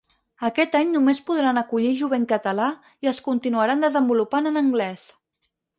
Aquest any només podran acollir jovent català i es continuaran desenvolupant en anglès.